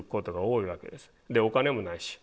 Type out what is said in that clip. お金もないし。